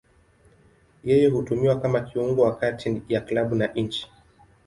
Yeye hutumiwa kama kiungo wa kati ya klabu na nchi.